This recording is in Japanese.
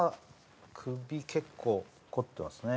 首結構凝ってますね